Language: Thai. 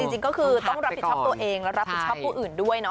จริงก็คือต้องรับผิดชอบตัวเองและรับผิดชอบผู้อื่นด้วยเนาะ